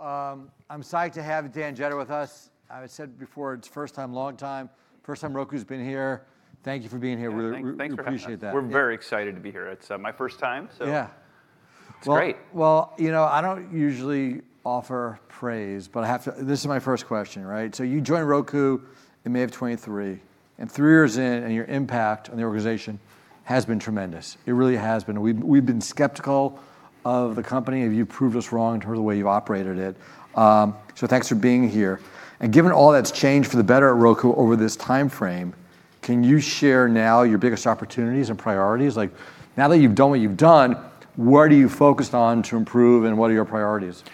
Well, I'm excited to have Dan Jedda with us. I said before it's first time, long time. First time Roku's been here. Thank you for being here. Yeah, thanks for having us. I appreciate that. Yeah. We're very excited to be here. It's my first time. Yeah It's great. Well, well, you know, I don't usually offer praise, but I have to. This is my first question, right? You joined Roku in May of 2023, and three years in, your impact on the organization has been tremendous. It really has been. We've been skeptical of the company. You've proved us wrong in terms of the way you've operated it. Thanks for being here. Given all that's changed for the better at Roku over this timeframe, can you share now your biggest opportunities and priorities? Like, now that you've done what you've done, what are you focused on to improve, and what are your priorities?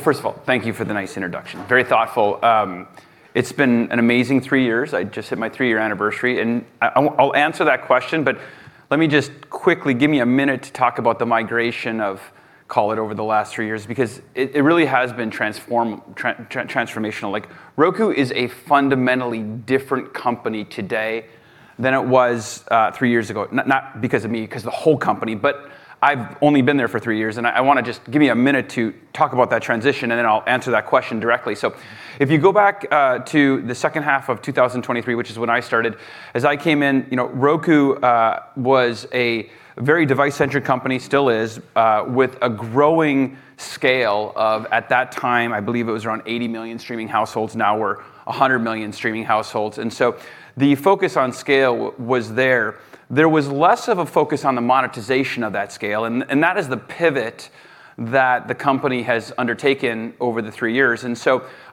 First of all, thank you for the nice introduction. Very thoughtful. It's been an amazing three years. I just hit my three-year anniversary; I'll answer that question. Let me just quickly give me a minute to talk about the migration of Call It over the last three years because it really has been transformational. Like, Roku is a fundamentally different company today than it was three years ago. Not because of me, because the whole company. I've only been there for three years; I want to just give me a minute to talk about that transition, and then I'll answer that question directly. If you go back to the second half of 2023, which is when I started, as I came in, you know, Roku was a very device-centric company, still is, with a growing scale of, at that time, I believe it was around 80 million streaming households. Now we're 100 million streaming households. The focus on scale was there. There was less of a focus on monetization at that scale, and that is the pivot that the company has undertaken over the three years.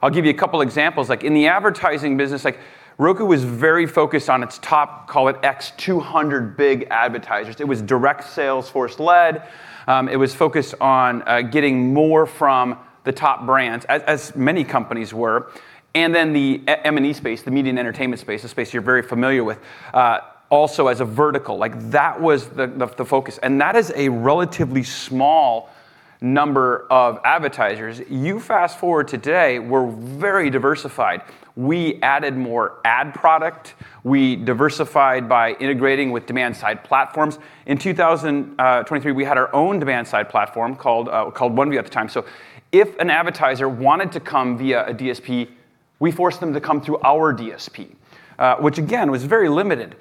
I'll give you a couple examples. Like, in the advertising business, like, Roku was very focused on its top, call it 200 big advertisers. It was directly Salesforce-led. It was focused on getting more from the top brands, as many companies were. The M&E space, the media and entertainment space, is the space you're very familiar with, also as a vertical. That was the focus; that is a relatively small number of advertisers. Fast forward to today; we're very diversified. We added more ad product. We diversified by integrating with demand-side platforms. In 2023, we had our own demand-side platform called OneView at the time. If an advertiser wanted to come via a DSP, we forced them to come through our DSP, which, again, was very limited.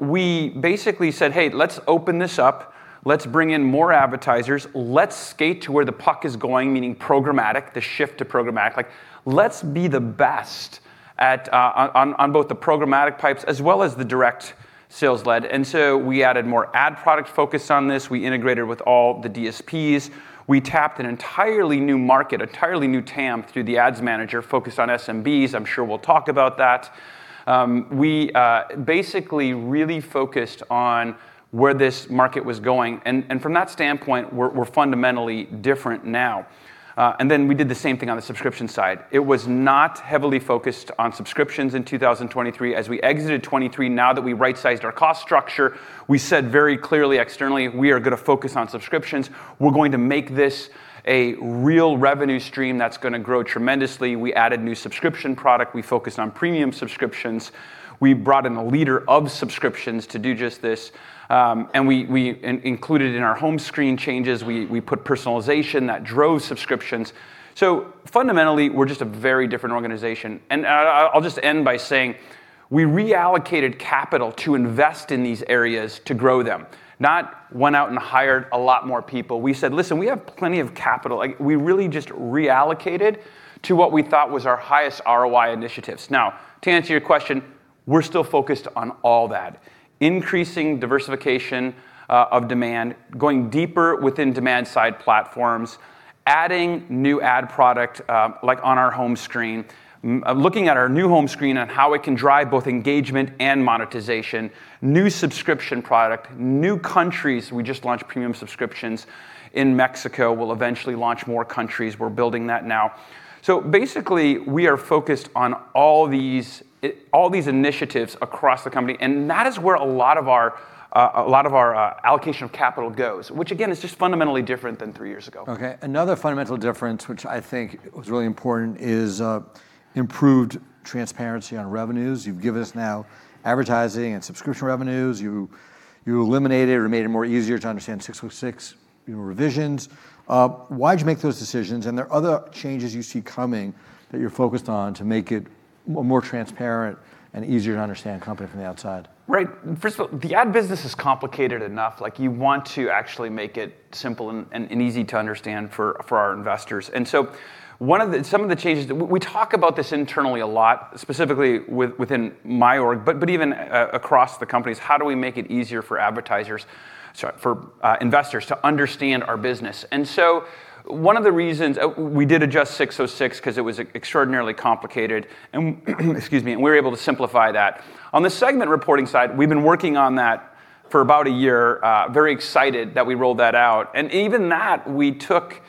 We basically said, Hey, let's open this up. Let's bring in more advertisers. Let's skate to where the puck is going, meaning programmatic, the shift to programmatic. Like, Let's be the best at both the programmatic pipes as well as the direct sales led. We added more ad product focus on this. We integrated with all the DSPs. We tapped an entirely new market, entirely new TAM, through the Ads Manager focused on SMBs. I'm sure we'll talk about that. We basically really focused on where this market was going. From that standpoint, we're fundamentally different now. We did the same thing on the subscription side. It was not heavily focused on subscriptions in 2023. As we exited 2023, now that we right-sized our cost structure, we said very clearly externally, We are going to focus on subscriptions. We're going to make this a real revenue stream that's going to grow tremendously. We added new subscription product. We focused on premium subscriptions. We brought in the leader of subscriptions to do just this, and we included it in our home screen changes. We put personalization that drove subscriptions. Fundamentally, we're just a very different organization. I'll just end by saying we reallocated capital to invest in these areas to grow them, not went out and hired a lot more people. We said, Listen, we have plenty of capital. Like, we really just reallocated to what we thought was our highest ROI initiatives. Now, to answer your question, we're still focused on all that. Increasing diversification of demand, going deeper within demand-side platforms, adding new ad products, like on our home screen, looking at our new home screen and how it can drive both engagement and monetization, new subscription product, new countries. We just launched premium subscriptions in Mexico. We'll eventually launch more countries. We're building that now. Basically, we are focused on all these initiatives across the company, and that is where a lot of our, a lot of our allocation of capital goes, which, again, is just fundamentally different than three years ago. Okay. Another fundamental difference, which I think was really important, is improved transparency on revenues. You've given us now advertising and subscription revenues. You eliminated or made it more easier to understand ASC 606, you know, revisions. Why'd you make those decisions? There are other changes you see coming that you're focused on to make it more transparent and easier to understand company from the outside. Right. First of all, the ad business is complicated enough. Like, you want to actually make it simple and easy to understand for our investors. Some of the changes: We talk about this internally a lot, specifically within my org, but even across the companies. How do we make it easier for advertisers, so for investors to understand our business? One of the reasons we did adjust ASC 606 'cause it was extraordinarily complicated, and excuse me, we were able to simplify that. On the segment reporting side, we've been working on that for about a year. Very excited that we rolled that out. Even that we took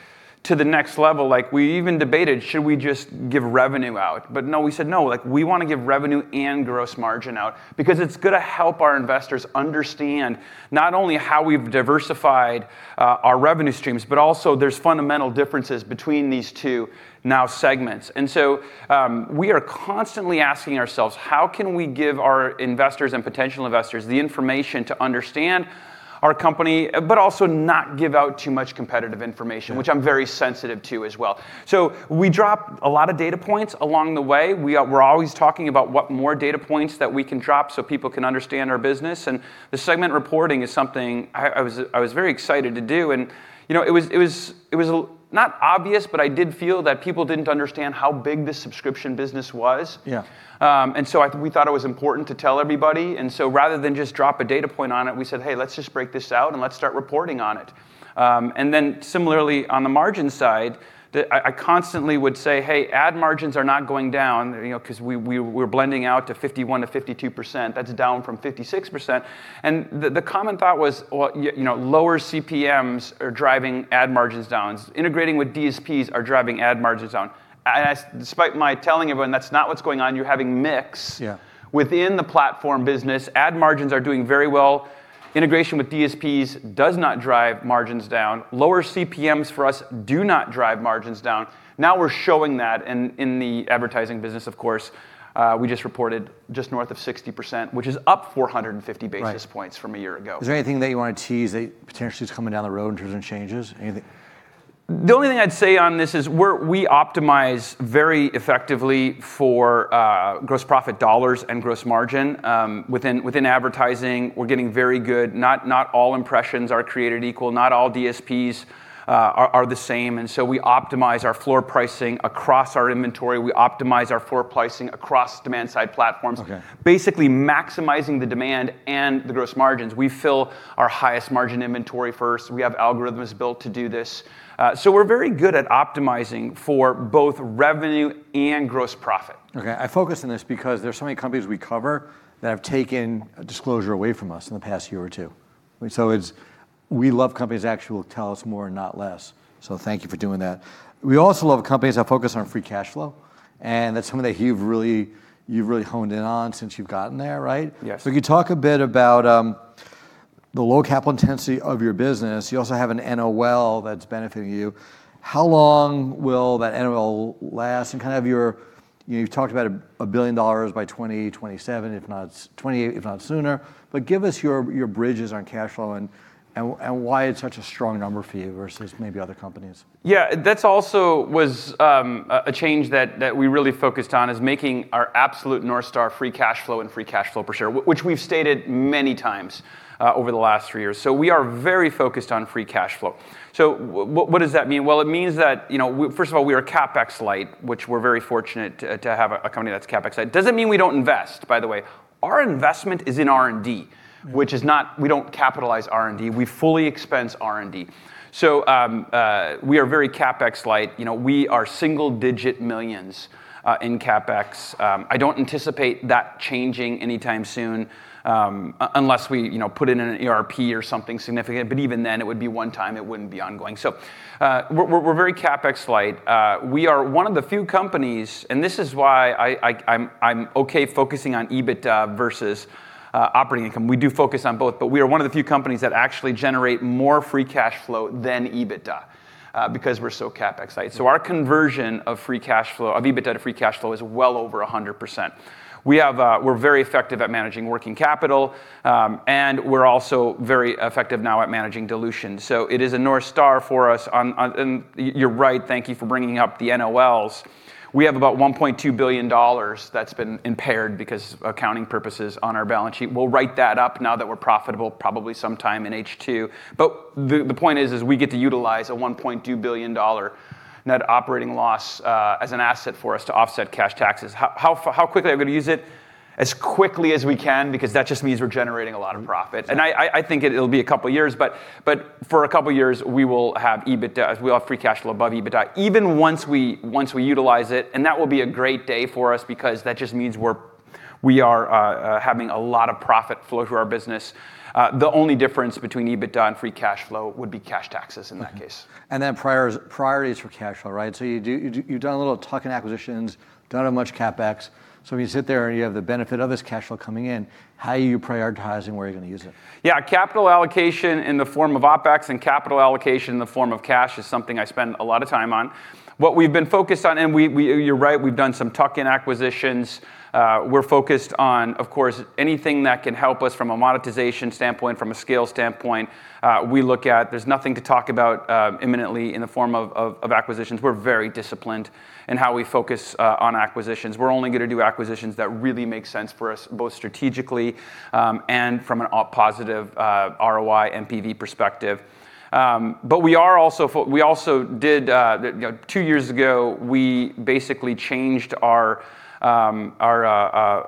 to the next level. Like, we even debated, should we just give revenue out? No, we said no, like, we want to give revenue and gross margin out because it's gonna help our investors understand not only how we've diversified our revenue streams, but also there's fundamental differences between these two new segments. We are constantly asking ourselves, how can we give our investors and potential investors the information to understand our company but also not give out too much competitive information. Yeah which I'm very sensitive to as well. We drop a lot of data points along the way. We're always talking about what more data points that we can drop so people can understand our business, and the segment reporting is something I was very excited to do. You know, it was not obvious, but I did feel that people didn't understand how big the subscription business was. Yeah. We thought it was important to tell everybody, and so rather than just drop a data point on it, we said, Hey, let's just break this out and let's start reporting on it. Similarly on the margin side, I constantly would say, Hey, ad margins are not going down," you know, because we're blending out to 51%-52%; that's down from 56%. The common thought was, you know, lower CPMs are driving ad margins down. Integrating with DSPs is driving ad margins down, despite my telling everyone that's not what's going on. Yeah Within the platform business. Ad margins are doing very well. Integration with DSPs does not drive margins down. Lower CPMs for us do not drive margins down. Now we're showing that in the advertising business, of course. We just reported just over 60%, which is up 450 basis points. Right From a year ago. Is there anything that you want to tease that potentially is coming down the road in terms of changes? Anything? The only thing I'd say on this is we optimize very effectively for gross profit dollars and gross margin. Within advertising, we're getting very good. Not all impressions are created equal, not all DSPs are the same, and so we optimize our floor pricing across our inventory. We optimize our floor pricing across demand-side platforms. Okay. Basically maximizing the demand and the gross margins. We fill our highest-margin inventory first. We have algorithms built to do this. We're very good at optimizing for both revenue and gross profit. Okay. I focus on this because there are so many companies we cover that have taken a disclosure away from us in the past year or two. We love companies that actually will tell us more and not less, so thank you for doing that. We also love companies that focus on free cash flow, and that's something that you've really honed in on since you've gotten there, right? Yes. Can you talk a bit about the low capital intensity of your business? You also have an NOL that's benefiting you. How long will that NOL last and kind of your You know, you've talked about $1 billion by 2027, if not 2028, if not sooner? Give us your bridges on cash flow and why it's such a strong number for you versus maybe other companies? Yeah. That's also was a change that we really focused on: making our absolute North Star free cash flow and free cash flow per share, which we've stated many times over the last three years. We are very focused on free cash flow. What does that mean? Well, it means that, you know, first of all, we are CapEx light, which we're very fortunate to have a company that's CapEx light. Doesn't mean we don't invest, by the way. Our investment is in R&D. We don't capitalize R&D; we fully expense R&D. We are very CapEx light. You know, we are single-digit millions in CapEx. I don't anticipate that changing anytime soon, unless we, you know, put in an ERP or something significant, but even then it would be one time; it wouldn't be ongoing. We're very CapEx light. We are one of the few companies, and this is why I'm okay focusing on EBITDA versus operating income. We do focus on both; we are one of the few companies that actually generate more free cash flow than EBITDA because we're so CapEx light. Our conversion of free cash flow, of EBITDA to free cash flow, is well over 100%. We have; we're very effective at managing working capital, and we're also very effective now at managing dilution. It is a North Star for us. You're right, thank you for bringing up the NOLs. We have about $1.2 billion that's been impaired because accounting purposes on our balance sheet. We'll write that up now that we're profitable, probably sometime in H2. The point is, we get to utilize a $1.2 billion net operating loss as an asset for us to offset cash taxes. How quickly are we gonna use it? As quickly as we can, because that just means we're generating a lot of profit. I think it'll be a couple of years, but for a couple of years we will have EBITDA; we'll have free cash flow above EBITDA. Even once we utilize it, that will be a great day for us because that just means we're having a lot of profit flow through our business. The only difference between EBITDA and free cash flow would be cash taxes in that case. Okay. Priorities for cash flow, right? You've done a little tuck-in acquisitions, don't have much CapEx. When you sit there and you have the benefit of this cash flow coming in, how are you prioritizing where you're gonna use it? Yeah, capital allocation in the form of OpEx and capital allocation in the form of cash is something I spend a lot of time on. What we've been focused on, and you're right, we've done some tuck-in acquisitions. We're focused on, of course, anything that can help us from a monetization standpoint; from a scale standpoint, we look at. There's nothing to talk about imminently in the form of acquisitions. We're very disciplined in how we focus on acquisitions. We're only gonna do acquisitions that really make sense for us, both strategically and from a positive ROI, NPV perspective. We also did, you know, two years ago; we basically changed our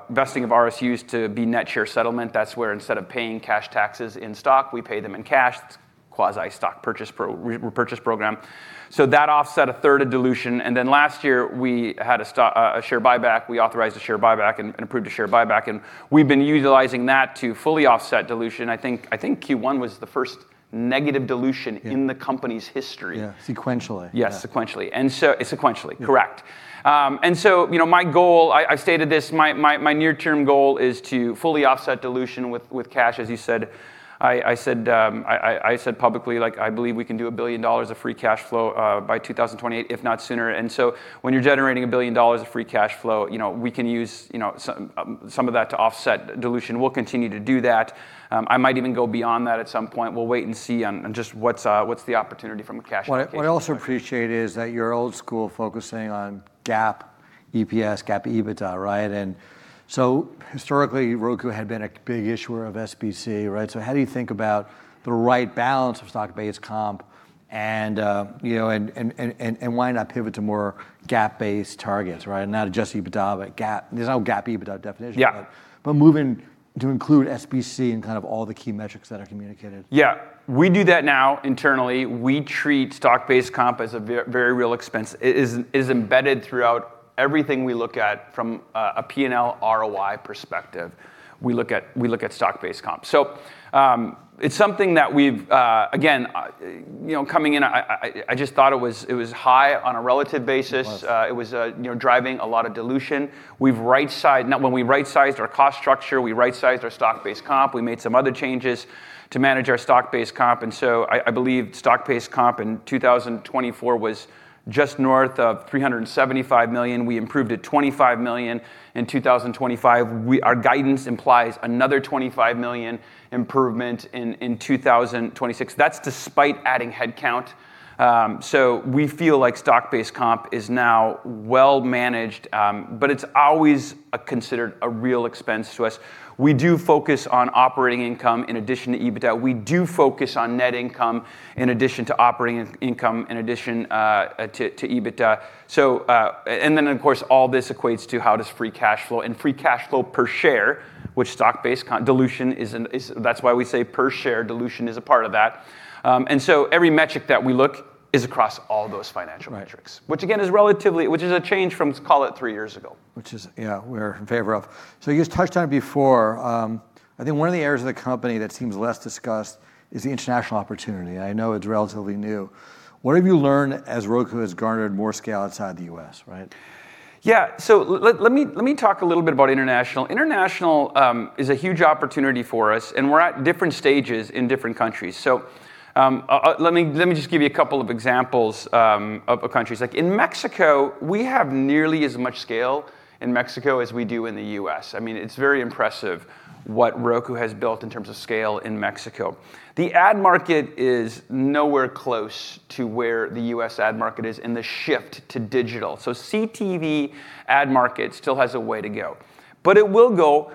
vesting of RSUs to be net share settlement. That's where, instead of paying cash taxes in stock, we pay them in cash. quasi stock repurchase program. That offset a third of dilution. Last year we had a share buyback. We authorized a share buyback and approved a share buyback, and we've been utilizing that to fully offset dilution. I think Q1 was the first negative dilution. Yeah In the company's history. Yeah. Sequentially. Yes, sequentially. Yeah. Sequentially, correct. You know, my goal, I stated this, my near-term goal is to fully offset dilution with cash, as you said. I said publicly, like, I believe we can do $1 billion of free cash flow by 2028, if not sooner. When you're generating $1 billion of free cash flow, you know, we can use, you know, some of that to offset dilution. We'll continue to do that. I might even go beyond that at some point. We'll wait and see just what's the opportunity is from a cash application perspective. What I also appreciate is that you're old school, focusing on GAAP, EPS, GAAP, EBITDA, right? Historically, Roku had been a big issuer of SBC, right? How do you think about the right balance of stock-based comp and, you know, and why not pivot to more GAAP-based targets, right? Not adjusted EBITDA, but GAAP. There's no GAAP EBITDA definition. Yeah. Moving to include SBC and kind of all the key metrics that are communicated. Yeah. We do that now internally. We treat stock-based comp as a very real expense. It is embedded throughout everything we look at from a P&L ROI perspective. We look at stock-based comp. It's something that we've Again, you know, coming in, I just thought it was high on a relative basis. It was. It was, you know, driving a lot of dilution. We've right-sized. Now when we right-sized our cost structure, we right-sized our stock-based comp. We made some other changes to manage our stock-based comp. I believe stock-based comp in 2024 was just north of $375 million. We improved it $25 million in 2025. Our guidance implies another $25 million improvement in 2026. That's despite adding headcount. We feel like stock-based comp is now well managed. It's always considered a real expense to us. We do focus on operating income in addition to EBITDA. We do focus on net income in addition to operating income, in addition to EBITDA. Of course, all this equates to how free cash flow and free cash flow per share, which stock-based comp dilution is, that's why we say per-share dilution is a part of that. Every metric that we look at is across all those financial metrics. Right. Which again, is a change from, let's call it three years ago. Which is, yeah, we're in favor of. You touched on it before. I think one of the areas of the company that seems less discussed is the international opportunity. I know it's relatively new. What have you learned as Roku has garnered more scale outside the U.S., right? Yeah. Let me talk a little bit about international. International is a huge opportunity for us, and we're at different stages in different countries. Let me just give you a couple of examples of countries. Like in Mexico, we have nearly as much scale in Mexico as we do in the U.S. I mean, it's very impressive what Roku has built in terms of scale in Mexico. The ad market is nowhere close to where the U.S. ad market is in the shift to digital. CTV ad market still has a way to go. It will go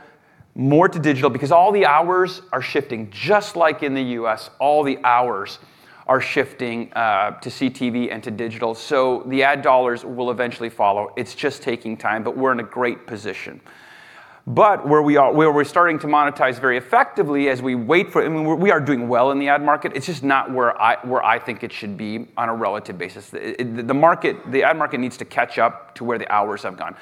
more to digital because all the hours are shifting. Just like in the U.S., all the hours are shifting to CTV and to digital. The ad dollars will eventually follow. It's just taking time, but we're in a great position. Where we are, where we're starting to monetize very effectively as we wait for, we are doing well in the ad market. It's just not where I think it should be on a relative basis. The market, the ad market needs to catch up to where the hours have gone.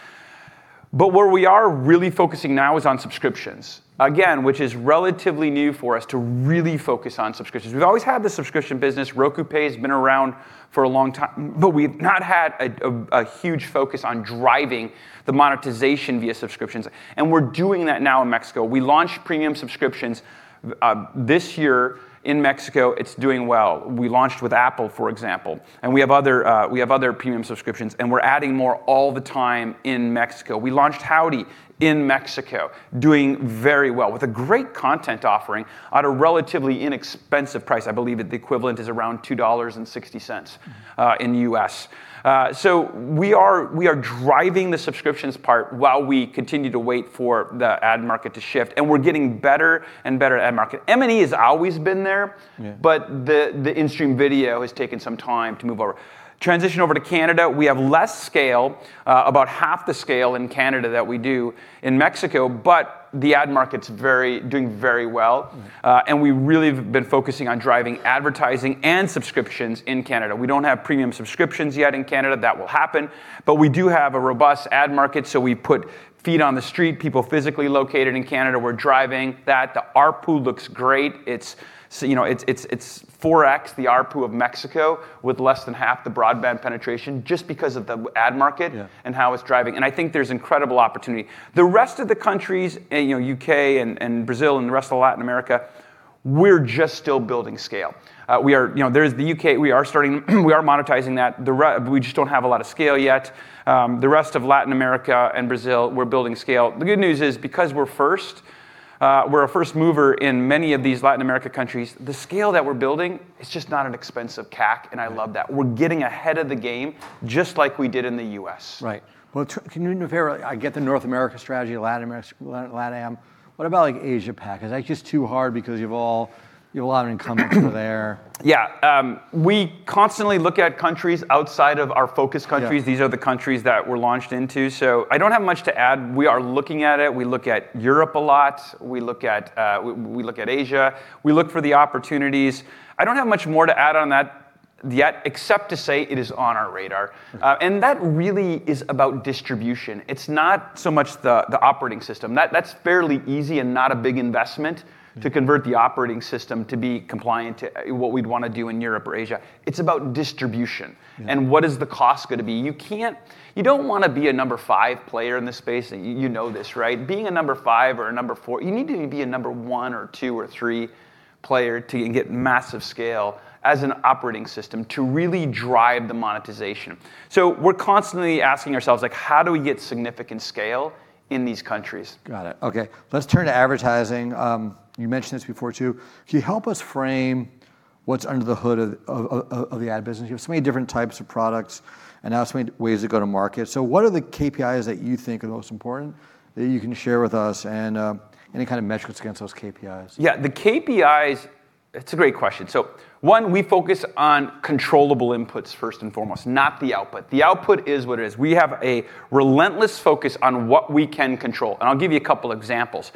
Where we are really focusing now is on subscriptions, again, which is relatively new for us to really focus on subscriptions. We've always had the subscription business. Roku Pay has been around for a long time. We've not had a huge focus on driving the monetization via subscriptions, and we're doing that now in Mexico. We launched premium subscriptions this year in Mexico. It's doing well. We launched with Apple, for example, and we have other, we have other premium subscriptions, and we're adding more all the time in Mexico. We launched Howdy in Mexico, doing very well with a great content offering at a relatively inexpensive price. I believe that the equivalent is around $2.60 in the U.S. We are driving the subscriptions part while we continue to wait for the ad market to shift, and we're getting better and better at ad market. M&E has always been there. Yeah The in-stream video has taken some time to move over. Transition over to Canada, we have less scale. About half the scale in Canada that we do in Mexico, the ad market's doing very well. We really have been focusing on driving advertising and subscriptions in Canada. We don't have premium subscriptions yet in Canada. That will happen. We do have a robust ad market, so we put feet on the street, people physically located in Canada. We're driving that. The ARPU looks great. It's, you know, it's 4x the ARPU of Mexico with less than half the broadband penetration, just because of the ad market. Yeah how it's driving. I think there's incredible opportunity. The rest of the countries, you know, U.K. and Brazil and the rest of Latin America, we're just still building scale. You know, there's the U.K., we are monetizing that. We just don't have a lot of scale yet. The rest of Latin America and Brazil, we're building scale. The good news is because we're first, we're a first mover in many of these Latin America countries, the scale that we're building, it's just not an expensive CAC, and I love that. We're getting ahead of the game, just like we did in the U.S. Right. Can I get the North America strategy, LatAm? What about like Asia-Pac? Is that just too hard because you have a lot of incumbents over there? Yeah. We constantly look at countries outside of our focus countries. Yeah. These are the countries that we're launched into. I don't have much to add. We are looking at it. We look at Europe a lot. We look at Asia. We look for the opportunities. I don't have much more to add on that, except to say it is on our radar. That really is about distribution. It's not so much the operating system. That's fairly easy and not a big investment to convert the operating system to be compliant to what we'd want to do in Europe or Asia. It's about distribution. What is the cost gonna be. You don't wanna be a number 5 player in this space. You, you know this, right? Being a number 5 or a number 4, you need to be a number 1 or 2 or 3 player to get massive scale as an operating system to really drive the monetization. We're constantly asking ourselves, like, how do we get significant scale in these countries? Got it. Okay. Let's turn to advertising. You mentioned this before, too. Can you help us frame what's under the hood of the ad business? You have so many different types of products and now so many ways to go to market. What are the KPIs that you think are the most important that you can share with us, and any kind of metrics against those KPIs? The KPIs. That's a great question. One, we focus on controllable inputs first and foremost, not the output. The output is what it is. We have a relentless focus on what we can control, and I'll give you 2 examples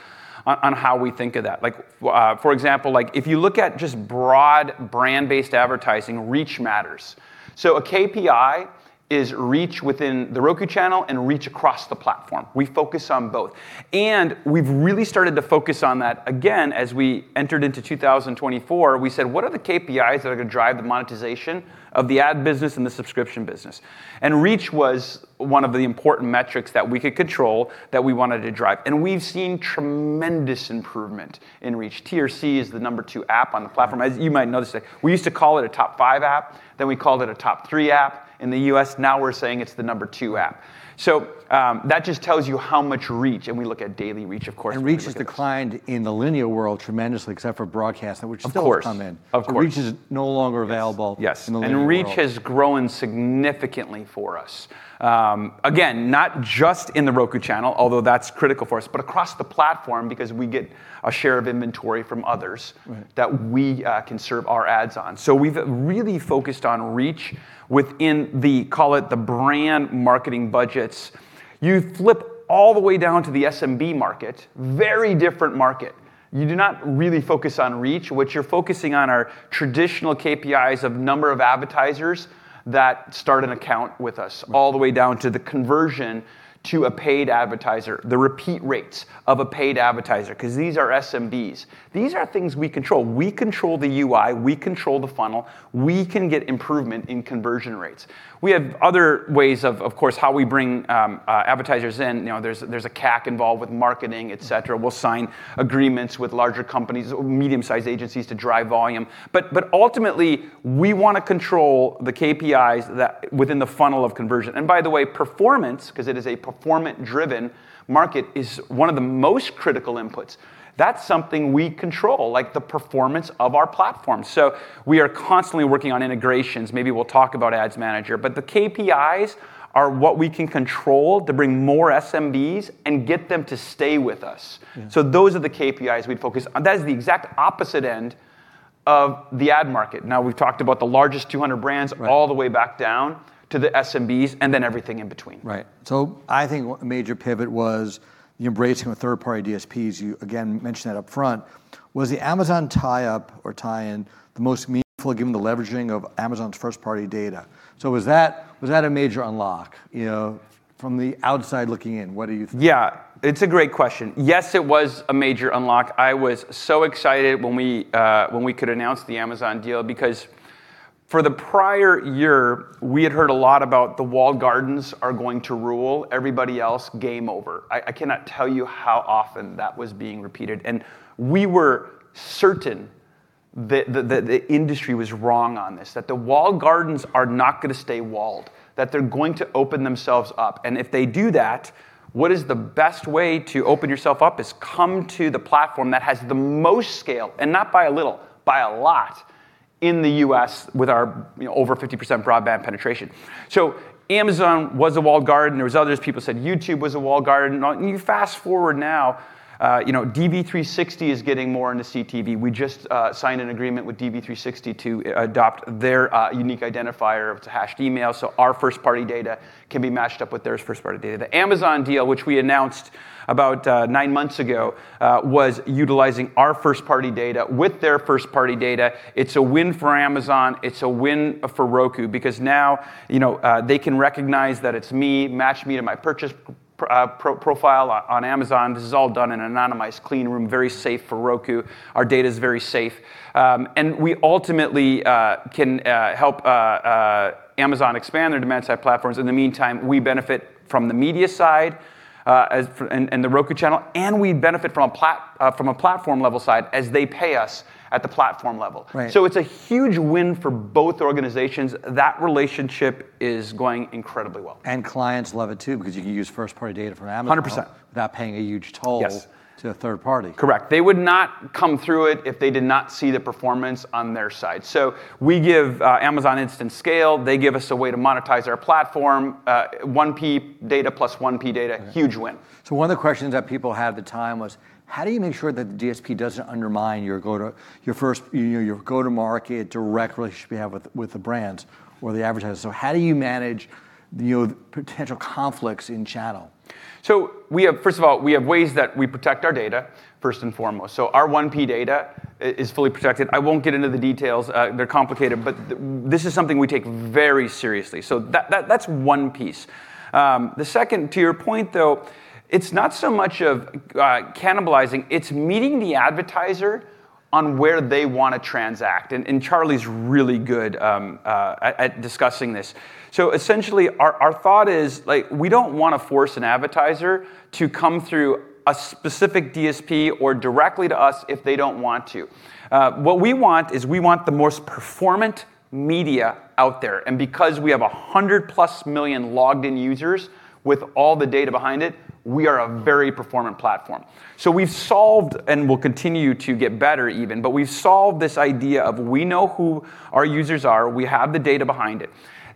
on how we think of that. For example, like, if you look at just broad brand-based advertising, reach matters. A KPI is reach within The Roku Channel and reach across the platform. We focus on both. We've really started to focus on that again as we entered into 2024. We said, what are the KPIs that are gonna drive the monetization of the ad business and the subscription business? Reach was one of the important metrics that we could control that we wanted to drive, and we've seen tremendous improvement in reach. TRC is the number 2 app on the platform, as you might notice. We used to call it a top 5 app, then we called it a top 3 app in the U.S., now we're saying it's the number 2 app. That just tells you how much reach, and we look at daily reach, of course. Reach has declined in the linear world tremendously except for broadcast-. Of course. which still has come in. Of course. Reach is no longer available. Yes. Yes In the linear world. Reach has grown significantly for us. Again, not just in The Roku Channel, although that's critical for us, but across the platform because we get a share of inventory from others. Right that we can serve our ads on. We've really focused on reach within the, call it the brand marketing budgets. You flip all the way down to the SMB market, very different market. You do not really focus on reach. What you're focusing on are traditional KPIs of the number of advertisers that start an account with us all the way down to the conversion to a paid advertiser and the repeat rates of a paid advertiser because these are SMBs. These are things we control. We control the UI. We control the funnel. We can get improvement in conversion rates. We have other ways, of course, for how we bring advertisers in. You know, there's a CAC involved with marketing, et cetera. We'll sign agreements with larger companies or medium-sized agencies to drive volume. Ultimately we want to control the KPIs that within the funnel of conversion. By the way, performance, because it is a performance-driven market, is one of the most critical inputs. That's something we control, like the performance of our platform. We are constantly working on integrations. Maybe we'll talk about Ads Manager. The KPIs are what we can control to bring more SMBs and get them to stay with us. Yeah. Those are the KPIs we'd focus. That is the exact opposite end of the ad market. We've talked about the largest 200 brands. Right all the way back down to the SMBs and then everything in between. Right. I think a major pivot was you embracing third-party DSPs; you again mentioned that upfront. Was the Amazon tie-up or tie-in the most meaningful, given the leveraging of Amazon's first-party data? Was that a major unlock, you know, from the outside looking in? What do you think? Yeah. It's a great question. Yes, it was a major unlock. I was so excited when we could announce the Amazon deal because for the prior year we had heard a lot about the walled gardens going to rule everybody else: game over. I cannot tell you how often that was repeated. We were certain that the industry was wrong on this, that the walled gardens are not gonna stay walled, that they're going to open themselves up. If they do that, the best way to open yourself up is come to the platform that has the most scale, and not by a little, by a lot. In the U.S. with our, you know, over 50% broadband penetration. Amazon was a walled garden. There was others. People said YouTube was a walled garden. You fast-forward now, you know, DV360 is getting more into CTV. We just signed an agreement with DV360 to adopt their unique identifier. It's a hashed email, so our first-party data can be matched up with their first-party data. The Amazon deal, which we announced about nine months ago, was utilizing our first-party data with their first-party data. It's a win for Amazon. It's a win for Roku because now, you know, they can recognize that it's me, match me to my purchase profile on Amazon. This is all done in an anonymized clean room, very safe for Roku. Our data's very safe. We ultimately can help Amazon expand their demand-side platforms. In the meantime, we benefit from the media side and The Roku Channel, and we benefit from a platform-level side as they pay us at the platform level. Right. It's a huge win for both organizations. That relationship is going incredibly well. Clients love it too because you can use first-party data from Amazon. 100%. Without paying a huge toll. Yes to a third party. Correct. They would not come through it if they did not see the performance on their side. We give Amazon instant scale. They give us a way to monetize our platform. 1P data plus 1P data, huge win. One of the questions that people had at the time was, how do you make sure that the DSP doesn't undermine your go-to, your first, you know, your go-to-market direct relationship you have with the brands or the advertisers? How do you manage, you know, potential conflicts in the channel? First of all, we have ways that we protect our data first and foremost. Our 1P data is fully protected. I won't get into the details. They're complicated, but this is something we take very seriously. That's one piece. Second, to your point, though, it's not so much cannibalizing. It's meeting the advertiser where they want to transact, and Charlie's really good at discussing this. Essentially, our thought is, like, we don't want to force an advertiser to come through a specific DSP or directly to us if they don't want to. What we want is the most performant media out there, and because we have 100+ million logged-in users with all the data behind it, we are a very performant platform. We've solved and will continue to get better even, but we've solved this idea of knowing who our users are. We have the data behind it.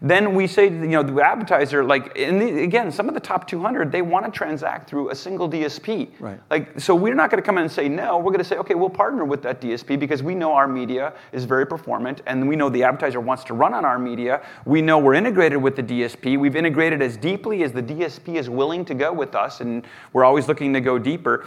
We say to, you know, the advertiser, like, some of the top 200, they want to transact through a single DSP. Right. Like, we're not gonna come in and say, No. We're gonna say, Okay, we'll partner with that DSP, because we know our media is very performant, and we know the advertiser wants to run on our media. We know we're integrated with the DSP. We've integrated as deeply as the DSP is willing to go with us, and we're always looking to go deeper.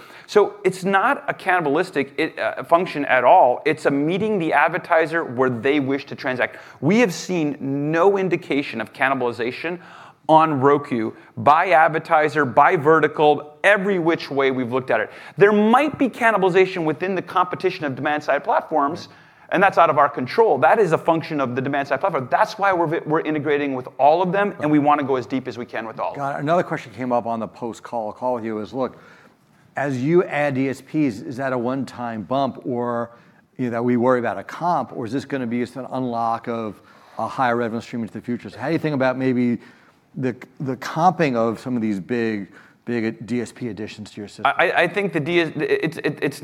It's not a cannibalistic function at all. It's a meeting with the advertiser where they wish to transact. We have seen no indication of cannibalization on Roku by advertiser or by vertical, every which way we've looked at it. There might be cannibalization within the competition of demand side platforms. That's out of our control. That is a function of the demand-side platform. That's why we're integrating with all of them. We want to go as deep as we can with all of them. Got it. Another question came up on the post-call call with you: look, as you add DSPs, is that a one-time bump, or, you know, that we worry about a comp, or is this gonna be just an unlock of a higher revenue stream into the future? How do you think about maybe the comping of some of these big DSP additions to your system? I think the DSP. It's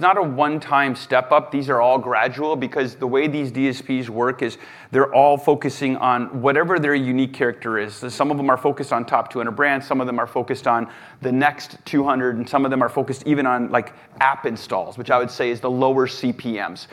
not a one-time step up. These are all gradual because the way these DSPs work is they're all focusing on whatever their unique character is. Some of them are focused on top 200 brands. Some of them are focused on the next 200; some of them are focused even on, like, app installs, which I would say is the lower CPMs.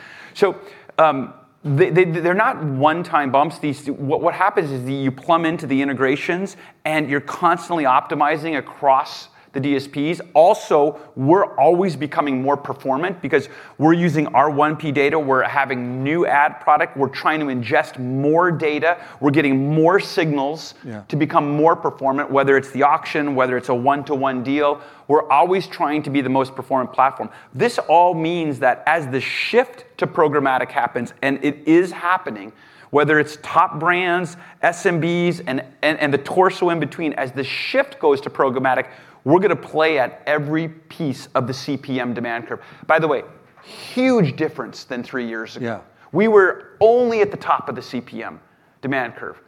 They're not one-time bumps. What happens is you plumb into the integrations; you're constantly optimizing across the DSPs. Also, we're always becoming more performant because we're using our 1P data. We're having new ad product. We're trying to ingest more data. We're getting more signals. Yeah to become more performant, whether it's the auction, whether it's a one-to-one deal. We're always trying to be the most performant platform. This all means that as the shift to programmatic happens, and it is happening, whether it's top brands, SMBs, and the torso in between, as the shift goes to programmatic, we're gonna play at every piece of the CPM demand curve. By the way, huge difference from three years ago. Yeah. We were only at the top of the CPM demand curve,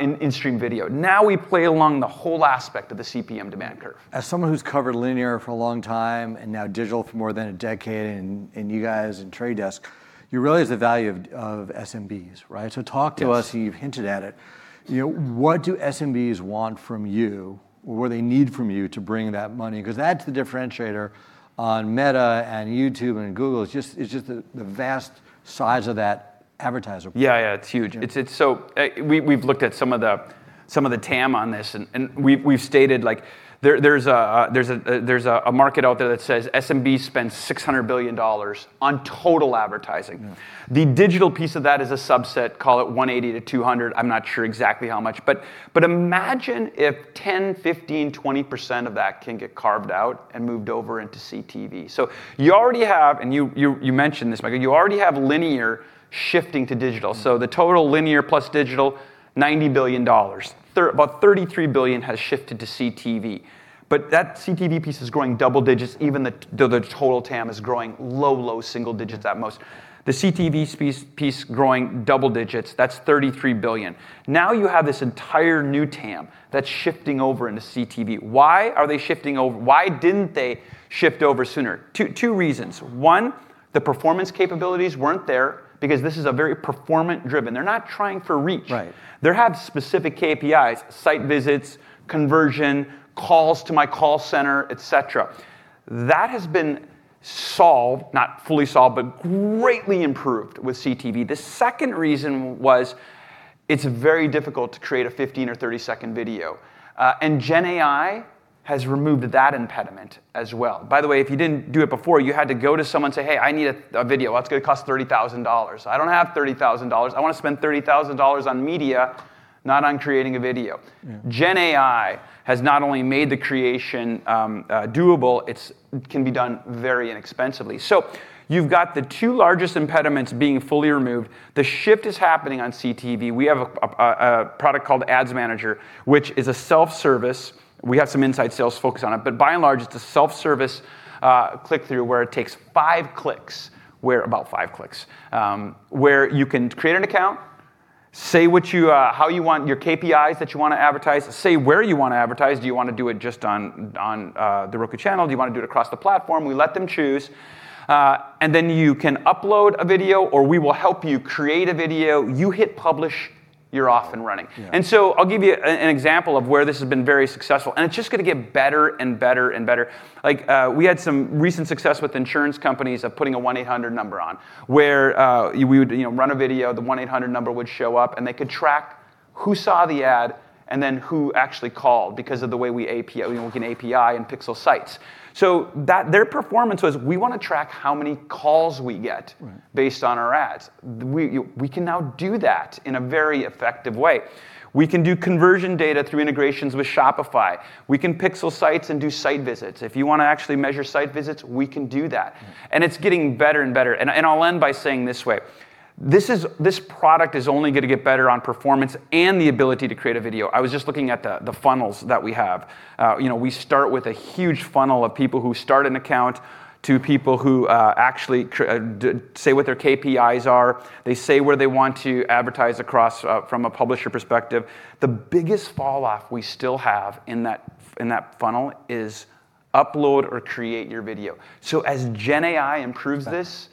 in in-stream video. Now we play along the whole aspect of the CPM demand curve. As someone who's covered linear for a long time and now digital for more than a decade and you guys and The Trade Desk, you realize the value of SMBs, right? Talk to us. Yes. You've hinted at it. You know, what do SMBs want from you or they need from you to bring that money? That's the differentiator on Meta and YouTube and Google; it's just the vast size of that advertiser pool. Yeah, yeah. It's huge. It's we've looked at some of the TAM on this, and we've stated, like, there's a market out there that says SMBs spend $600 billion on total advertising. The digital piece of that is a subset, call it $180-$200. I'm not sure exactly how much. Imagine if 10%, 15%, 20% of that can get carved out and moved over into CTV. You mentioned this, Mike. You already have linear shifting to digital. The total linear plus digital is $90 billion. About $33 billion has shifted to CTV; that CTV piece is growing double digits even though the total TAM is growing low single digits at most. The CTV piece growing double digits. That's $33 billion. You have this entire new TAM that's shifting over into CTV. Why are they shifting over? Why didn't they shift over sooner? Two reasons. One, the performance capabilities weren't there because this is a very performance-driven. They're not trying to reach. Right. They have specific KPIs, site visits, conversions, calls to my call center, et cetera. That has been solved, not fully solved but greatly improved with CTV. The second reason was it's very difficult to create a 15-30-second video. Gen AI has removed that impediment as well. By the way, if you didn't do it before, you had to go to someone, say, Hey, I need a video. That's going to cost $30,000. I don't have $30,000. I wanna spend $30,000 on media, not on creating a video. Yeah. Gen AI has not only made the creation doable, but it can also be done very inexpensively. You've got the two largest impediments fully removed. The shift is happening on CTV. We have a product called Ads Manager, which is a self-service. We have some inside sales folks on it, but by and large it's a self-service click-through where it takes 5 clicks, where you can create an account, say how you want your KPIs that you want to advertise, and say where you want to advertise. Do you want to do it just on the Roku Channel? Do you wanna do it across the platform? We let them choose. Then you can upload a video or we will help you create a video. You hit publish, and you're off and running. Yeah. I'll give you an example of where this has been very successful, and it's just gonna get better and better and better. Like, we had some recent success with insurance companies of putting a 1-800 number on, where we would, you know, run a video. The 1-800 number would show up, and they could track who saw the ad and then who actually called, because of the way we can API and pixel sites. Their performance was, We want to track how many calls we get. Right Based on our ads. We can now do that in a very effective way. We can do conversion data through integrations with Shopify. We can pixel sites and do site visits. If you want to actually measure site visits, we can do that. It's getting better and better. I'll end by saying this way: This product is only going to get better on performance and the ability to create a video. I was just looking at the funnels that we have. You know, we start with a huge funnel of people who start an account to people who actually say what their KPIs are. They say where they want to advertise from a publisher's perspective. The biggest falloff we still have in that funnel is upload or create your video. as Gen AI improves this—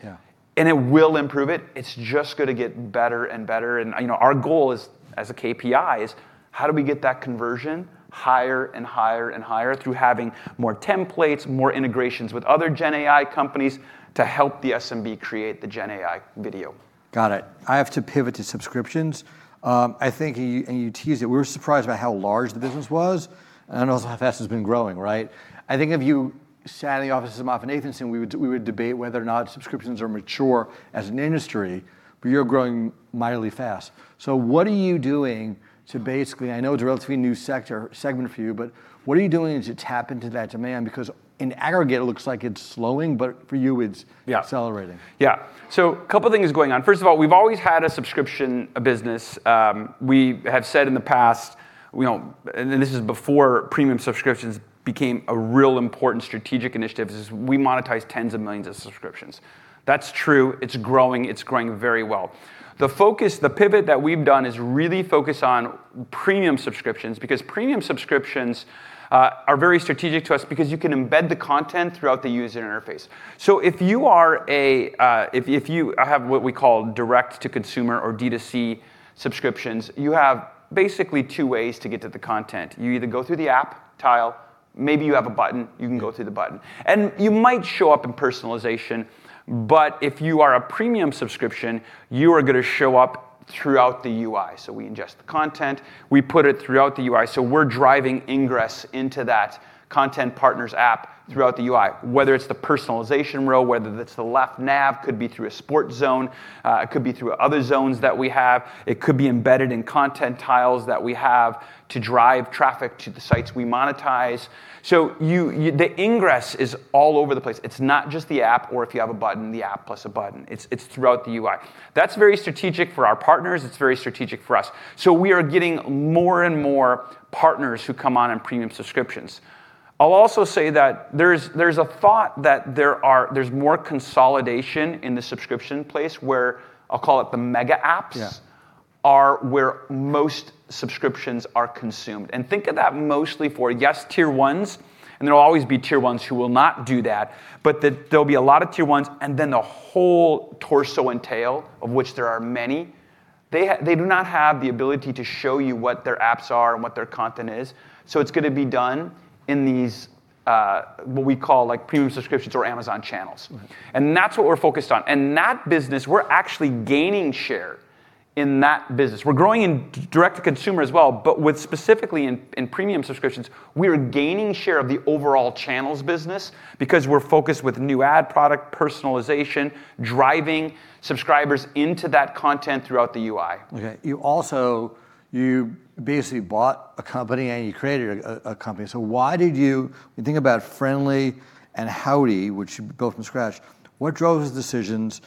Yeah It will improve; it's just gonna get better and better. You know, our goal, as a KPI, is how do we get that conversion higher and higher and higher through having more templates and more integrations with other Gen AI companies to help the SMB create the Gen AI video. Got it. I have to pivot to subscriptions. I think you teased it. We were surprised by how large the business was, and also how fast it's been growing, right? I think if you sat in the office of MoffettNathanson, we would debate whether or not subscriptions are mature as an industry, but they're growing mightily fast. What are you doing? Basically, I know it's a relatively new sector, segment for you, but what are you doing to tap into that demand? Yeah Accelerating. A couple of things going on. First of all, we've always had a subscription business. We have said in the past we don't. This is before premium subscriptions became a really important strategic initiative, is we monetize tens of millions of subscriptions. That's true. It's growing. It's growing very well. The focus, the pivot that we've done, is really focus on premium subscriptions because premium subscriptions are very strategic to us because you can embed the content throughout the user interface. If you have what we call direct to consumer or D2C subscriptions, you have basically two ways to get to the content. You either go through the app tile or maybe you have a button; you can go through the button. You might show up in personalization, but if you are a premium subscription, you are gonna show up throughout the UI. We ingest the content, we put it throughout the UI. We're driving ingress into that content partners app throughout the UI, whether it's the personalization row or whether that's the left nav; it could be through a Roku Sports Zone, or it could be through other zones that we have. It could be embedded in content tiles that we have to drive traffic to the sites we monetize. The ingress is all over the place. It's not just the app or if you have a button, the app plus a button. It's throughout the UI. That's very strategic for our partners. It's very strategic for us. We are getting more and more partners who come in on premium subscriptions. I'll also say that there's a thought that there's more consolidation in the subscription place where, I'll call it the mega apps- Yeah are where most subscriptions are consumed. Think of that mostly for, yes, Tier 1s, and there'll always be Tier 1s who will not do that. There'll be a lot of tier 1s and then the whole torso and tail, of which there are many; they do not have the ability to show you what their apps are and what their content is. It's gonna be done in these, what we call, like, premium subscriptions or Amazon Channels. Right. That's what we're focused on. That business, we're actually gaining share in. We're growing in direct-to-consumer as well, but specifically in premium subscriptions, we are gaining share of the overall channels business because we're focused on new ad product personalization, driving subscribers into that content throughout the UI. Okay. You also basically bought a company and you created a company. Why did you? When you think about Frndly and Howdy, which you built from scratch, what drove those decisions,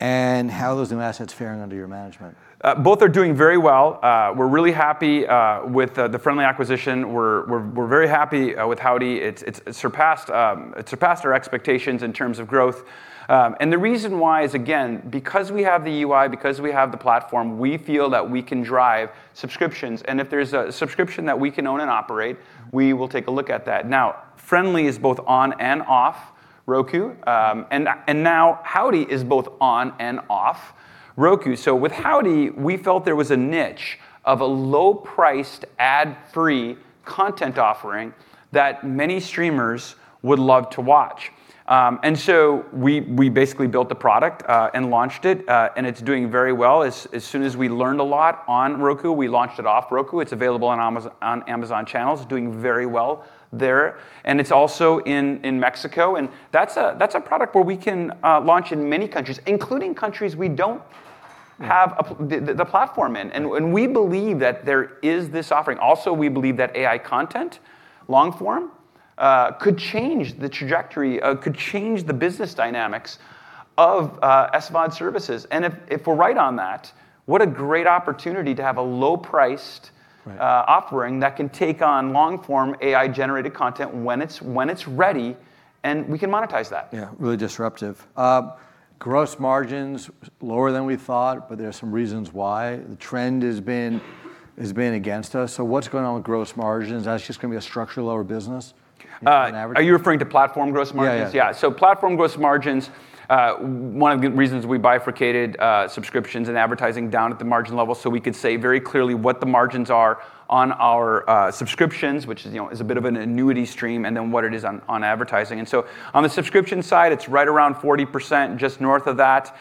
and how are those new assets faring under your management? Both are doing very well. We're really happy with the Frndly acquisition. We're very happy with Howdy. It surpassed our expectations in terms of growth. The reason why is, again, because we have the UI, because we have the platform, we feel that we can drive subscriptions. If there's a subscription that we can own and operate, we will take a look at that. Now, Frndly is both on and off Roku. Now, Howdy is both on and off Roku. With Howdy, we felt there was a niche of a low-priced, ad-free content offering that many streamers would love to watch. We basically built the product and launched it, and it's doing very well. As soon as we learned a lot on Roku, we launched it off Roku. It's available on Amazon Channels and doing very well there. It's also in Mexico; that's a product where we can launch in many countries, including countries we don't have the platform in. Right. We believe that there is this offering. Also, we believe that AI content, long form, could change the trajectory, could change the business dynamics of SVOD services. Right Offering that can take on long-form AI-generated content when it's ready, and we can monetize that. Yeah, really disruptive. Gross margins are lower than we thought; there are some reasons why. The trend has been against us. What's going on with gross margins? That's just gonna be a structurally lower business on average? Are you referring to platform gross margins? Yeah, yeah. Platform gross margins, one of the reasons we bifurcated subscriptions and advertising down at the margin level so we could say very clearly what the margins are on our subscriptions, which is, you know, is a bit of an annuity stream, and then what it is on advertising. On the subscription side, it's right around 40%, just north of that.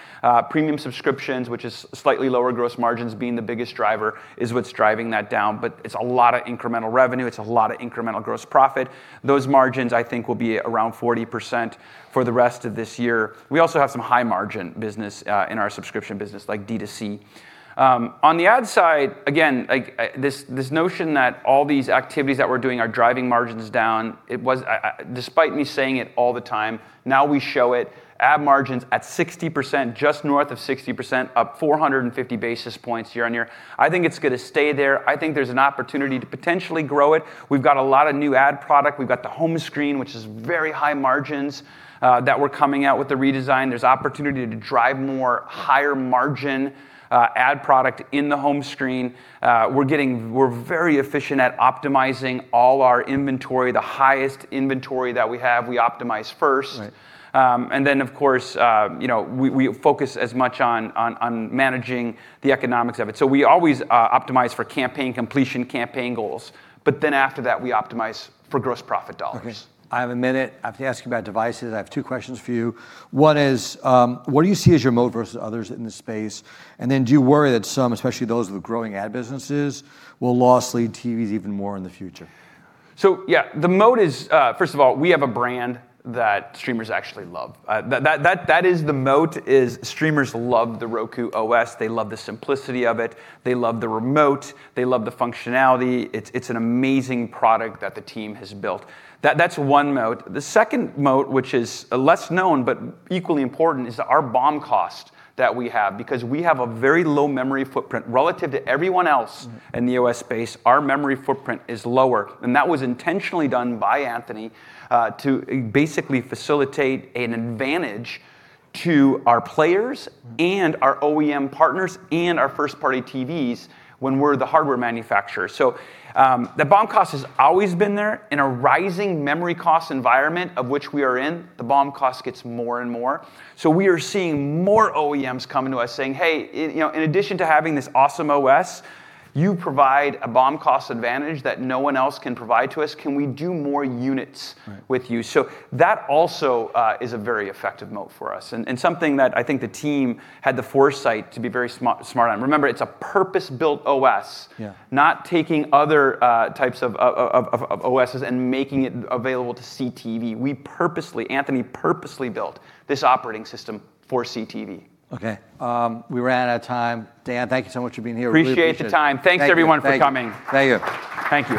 Premium subscriptions, with slightly lower gross margins being the biggest driver, is what's driving that down. It's a lot of incremental revenue. It's a lot of incremental gross profit. Those margins I think will be around 40% for the rest of this year. We also have some high margin business in our subscription business like D2C. On the ad side, again, this notion that all these activities that we're doing are driving margins down. Despite me saying it all the time, now we show it. Ad margins at 60%, just north of 60%, up 450 basis points year-on-year. I think it's going to stay there. I think there's an opportunity to potentially grow it. We've got a lot of new ad product. We've got the home screen, which is very high margins, that we're coming out with the redesign. There's opportunity to drive more higher-margin ad products on the home screen. We're very efficient at optimizing all our inventory. The highest inventory that we have, we optimize first. Right. Of course, you know, we focus as much on managing the economics of it. We always optimize for campaign completion, campaign goals. After that, we optimize for gross profit dollars. Okay. I have a minute. I have to ask you about devices. I have two questions for you. One is, what do you see as your moat versus others in the space? Do you worry that some, especially those with growing ad businesses, will lose lead TVs even more in the future? Yeah, the moat is, First of all, we have a brand that streamers actually love. That is the moat is streamers love the Roku OS. They love the simplicity of it. They love the remote. They love the functionality. It's an amazing product that the team has built. That's one moat. The second moat, which is less known but equally important, is our BOM cost that we have. We have a very low memory footprint relative to everyone else. in the OS space, our memory footprint is lower. That was intentionally done by Anthony to basically facilitate an advantage to our players and our OEM partners and our first-party TVs when we're the hardware manufacturer. The BOM cost has always been there. In a rising memory cost environment of which we are in, the BOM cost gets more and more. We are seeing more OEMs coming to us, saying, Hey, you know, in addition to having this awesome OS, you provide a BOM cost advantage that no one else can provide to us. Can we do more units- Right with you? That also is a very effective moat for us, and something that I think the team had the foresight to be very smart on. Remember, it's a purpose-built OS. Yeah. Not taking other types of OS' and making it available to CTV. We purposely, Anthony purposely built this operating system for CTV. Okay. We ran out of time. Dan, thank you so much for being here. Really appreciate it. Appreciate the time. Thank you. Thanks everyone for coming. Thank you. Thank you.